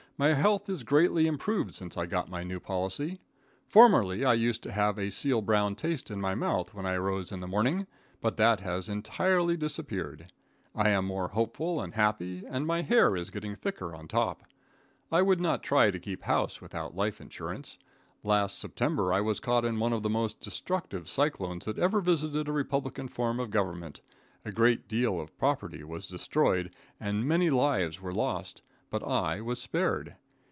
My health is greatly improved since I got my new policy. Formerly I used to have a seal brown taste in my mouth when I arose in the morning, but that has entirely disappeared. I am more hopeful and happy, and my hair is getting thicker on top. I would not try to keep house without life insurance. Last September I was caught in one of the most destructive cyclones that ever visited a republican form of government. A great deal of property was destroyed and many lives were lost, but I was spared.